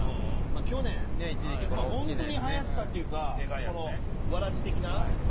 去年ホントに流行ったっていうかこのわらじ的な。